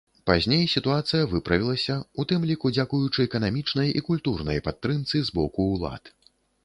Пазней сітуацыя выправілася, у тым ліку дзякуючы эканамічнай і культурнай падтрымцы з боку ўлад.